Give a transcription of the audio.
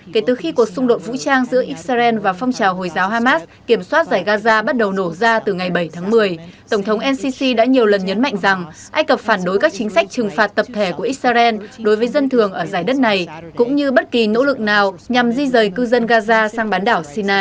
kể từ khi cuộc xung đột vũ trang giữa israel và phong trào hồi giáo hamas kiểm soát giải gaza bắt đầu nổ ra từ ngày bảy tháng một mươi tổng thống ncc đã nhiều lần nhấn mạnh rằng ai cập phản đối các chính sách trừng phạt tập thể của israel đối với dân thường ở giải đất này cũng như bất kỳ nỗ lực nào nhằm di rời cư dân gaza sang bán đảo sinai